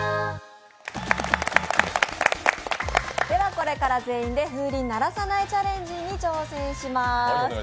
これから全員で風鈴鳴らさないチャレンジに挑戦します。